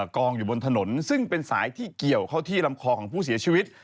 กองอยู่บนถนนซึ่งเป็นสายที่เกี่ยวเข้าที่ลำคอของผู้เสียชีวิต